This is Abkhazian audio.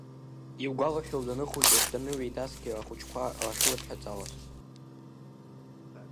Иугәалашәоу даныхәыҷыз, даныҩеидасгьы ахәыҷқәа шлыдҳәаҵалоз?